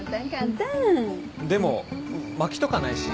でもまきとかないし。